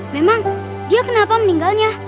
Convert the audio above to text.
memang dia kenapa meninggalnya